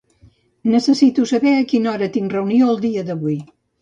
Necessito saber a quina hora tinc reunió el dia d'avui.